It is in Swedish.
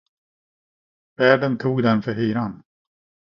Värden tog den för hyran.